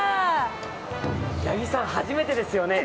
八木さん、初めてですよね？